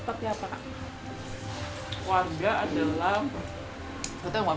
mbak grace kalau makna keluarga bagi mbak grace ini sebabnya apa kak